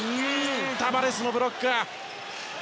タバレスのブロック。